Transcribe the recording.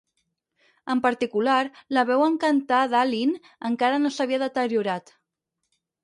En particular, la veu en cantar d'Allin encara no s'havia deteriorat.